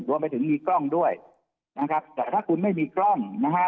รวมไปถึงมีกล้องด้วยนะครับแต่ถ้าคุณไม่มีกล้องนะฮะ